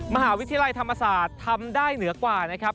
มหาวิทยาลัยธรรมศาสตร์ทำได้เหนือกว่านะครับ